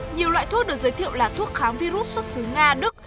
nhiều loại thuốc được giới thiệu là thuốc kháng virus xuất xứ nga đức